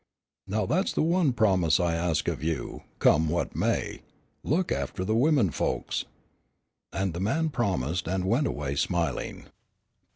Now that's the one promise I ask of you, come what may, look after the women folks." And the man promised and went away smiling.